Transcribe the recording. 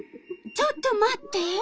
ちょっと待って。